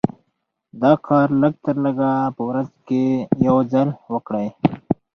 دا کار لږ تر لږه په ورځ کې يو ځل وکړئ.